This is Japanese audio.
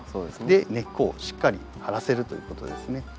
で根っこをしっかり張らせるということですね。